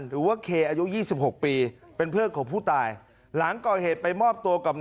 หรือว่าเคอายุ๒๖ปีเป็นเพื่อนของผู้ตายหลังก่อเหตุไปมอบตัวกับ